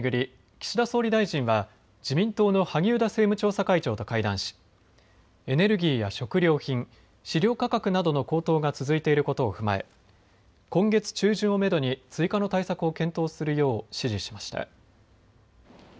岸田総理大臣は自民党の萩生田政務調査会長と会談しエネルギーや食料品、飼料価格などの高騰が続いていることを踏まえ今月中旬をめどに追加の対策を検討するよう指示しました。